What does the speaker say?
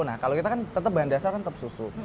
nah kalau kita kan tetap bahan dasar kan tetap susu